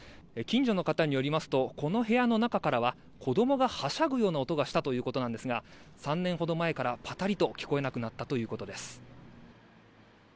近所の方によりますとこの部屋の中からは子供がはしゃぐような音がしたということですが３年ほど前からぱたりと聞こえなくなったということです。